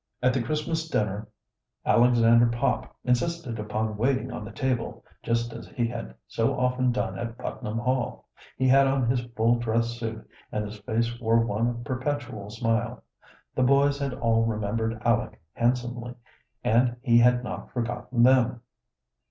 At the Christmas dinner Alexander Pop insisted upon waiting on the table, just as he had so often done at Putnam Hall. He had on his full dress suit, and his face wore one perpetual smile. The boys had all remembered Aleck handsomely, and he had not forgotten them.